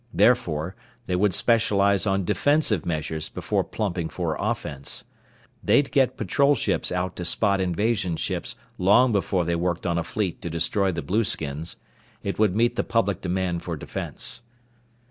Therefore, they would specialize on defensive measures before plumping for offense. They'd get patrol ships out to spot invasion ships long before they worked on a fleet to destroy the blueskins. It would meet the public demand for defense.